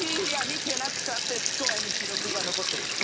いや見てなくたってスコアに記録が残ってる。